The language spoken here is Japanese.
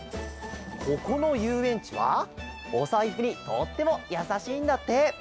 ここのゆうえんちはおさいふにとってもやさしいんだって。